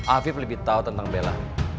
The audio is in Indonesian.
afif lebih tahu tentang bella